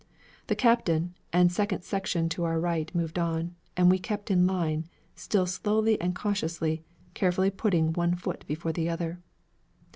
The captain and second section to our right moved on and we kept in line, still slowly and cautiously, carefully putting one foot before the other.